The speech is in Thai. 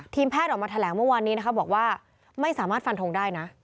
แพทย์ออกมาแถลงเมื่อวานนี้นะคะบอกว่าไม่สามารถฟันทงได้นะ